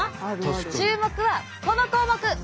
注目はこの項目。